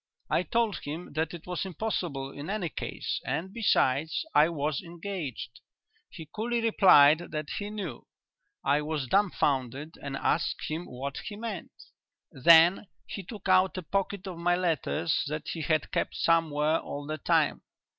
I told him that it was impossible in any case, and, besides, I was engaged. He coolly replied that he knew. I was dumbfounded and asked him what he meant. "Then he took out a packet of my letters that he had kept somewhere all the time.